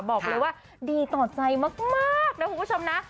บอกเลยว่าดีต่อใจมากนะคุณผู้ชมนะ